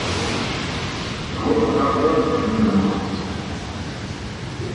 Sabuur mo tʰap uyoon cum uyum biluma?